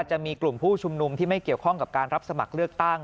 จะมีกลุ่มผู้ชุมนุมที่ไม่เกี่ยวข้องกับการรับสมัครเลือกตั้ง